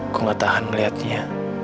aku gak tahan ngelihatnya